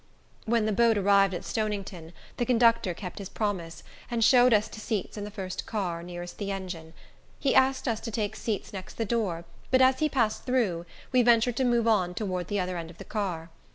When the boat arrived at Stonington, the conductor kept his promise, and showed us to seats in the first car, nearest the engine. He asked us to take seats next the door, but as he passed through, we ventured to move on toward the other end of the car.